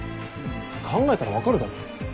考えたら分かるだろ。